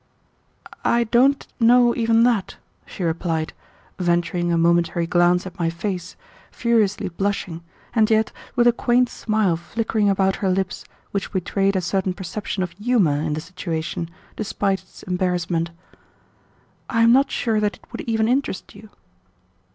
"I don't know even that," she replied, venturing a momentary glance at my face, furiously blushing, and yet with a quaint smile flickering about her lips which betrayed a certain perception of humor in the situation despite its embarrassment, "I am not sure that it would even interest you."